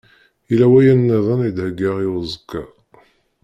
Yella wayen-nniḍen i d-heggaɣ i uzekka.